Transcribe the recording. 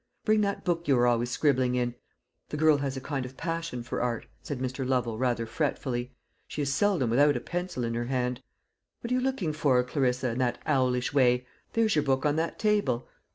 Bring that book you are always scribbling in. The girl has a kind of passion for art," said Mr. Lovel, rather fretfully; "she is seldom without a pencil in her hand. What are you looking for, Clarissa, in that owlish way? There's your book on that table."